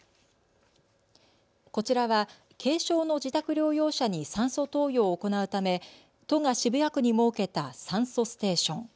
こちらは軽症の自宅療養者に酸素投与を行うため都が渋谷区に設けた酸素ステーション。